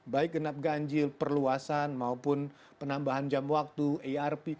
baik genap ganjil perluasan maupun penambahan jam waktu erp